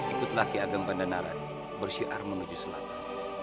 ikutlah ke agama dan naran bersiar menuju selatan